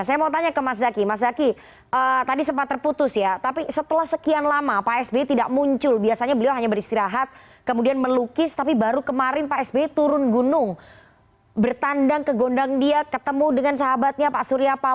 saya mau tanya ke mas zaky mas zaky tadi sempat terputus ya tapi setelah sekian lama pak sby tidak muncul biasanya beliau hanya beristirahat kemudian melukis tapi baru kemarin pak sby turun gunung bertandang ke gondang dia ketemu dengan sahabatnya pak surya palo